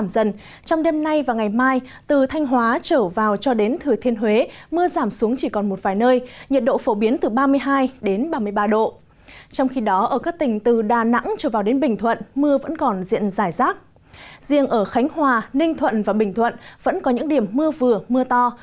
riêng ở khánh hòa ninh thuận và bình thuận vẫn có những điểm mưa vừa mưa to